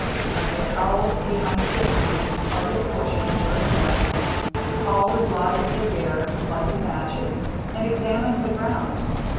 They prowled behind the trees, parted the bushes here and there, called as loud as they dared, lighted matches, and examined the ground.